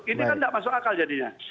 ini kan tidak masuk akal jadinya